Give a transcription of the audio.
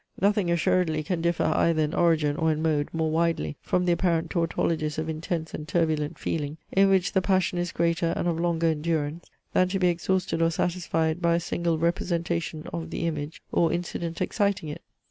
Nothing assuredly can differ either in origin or in mode more widely from the apparent tautologies of intense and turbulent feeling, in which the passion is greater and of longer endurance than to be exhausted or satisfied by a single representation of the image or incident exciting it.